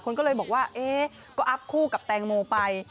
คนก็เลยบอกว่าเอ๊ะก็อัพคู่กับแตงโมไป